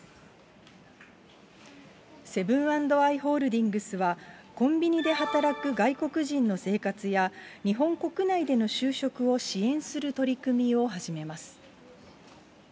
セブン＆アイ・ホールディングスはコンビニで働く外国人の生活や、日本国内での就職を支援する取り組みを始めます。